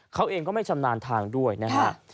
เขาเองก็ไม่ชำนาญทางด้วยนะฮะ